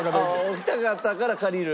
お二方から借りる？